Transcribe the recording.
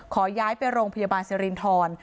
ขอย้ายไปโรงพยาบาลสิรินทร